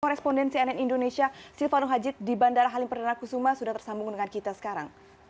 korespondensi nn indonesia silvano hajid di bandara halim perdana kusuma sudah tersambung dengan kita sekarang